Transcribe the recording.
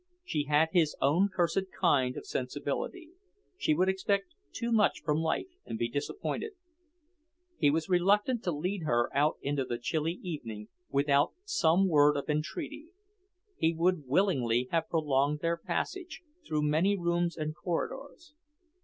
She had his own cursed kind of sensibility; she would expect too much from life and be disappointed. He was reluctant to lead her out into the chilly evening without some word of entreaty. He would willingly have prolonged their passage, through many rooms and corridors.